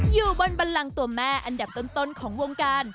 อยู่บนบันลังตัวแม่อันดับต้นของวงการ